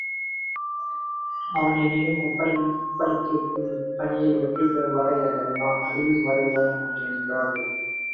அவன் ள்ன்னிடம் ஒப்படைத்திருக்கும் இப்பணியில் வெற்றி பெறும் வரை அல்லது நான் அழியும் வரை ஒயமாட்டேன் என்றார்கள்.